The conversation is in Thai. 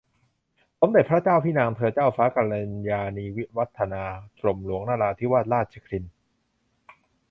สมเด็จพระเจ้าพี่นางเธอ เจ้าฟ้ากัลยาณิวัฒนา กรมหลวงนราธิวาสราชครินทร์